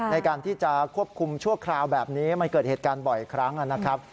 ในการที่จะควบคุมชั่วคราวแบบนี้มันเกิดเหตุการณ์บ่อยครั้งนะครับ